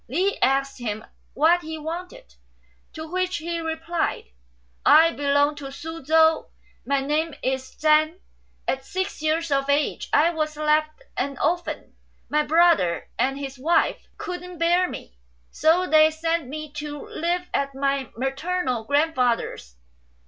Li asked him what he wanted, to which he replied, " I belong to Su chou ; my name is Chan ; at six years of age I was left an orphan ; my brother and his wife couldn't bear me, so they sent me to live at my maternal grandfather's.